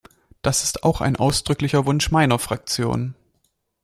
Das ist auch ein ausdrücklicher Wunsch meiner Fraktion.